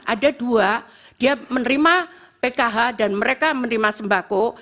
ada dua dia menerima pkh dan mereka menerima sembako